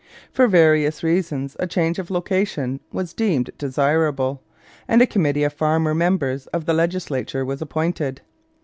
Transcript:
For various reasons a change of location was deemed desirable, and a committee of farmer members of the legislature was appointed.